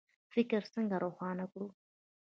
فکر څنګه روښانه کړو؟